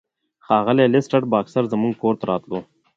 ښاغلی لیسټرډ به اکثر زموږ کور ته راتلو.